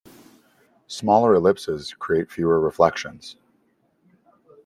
Smaller ellipses create fewer reflections.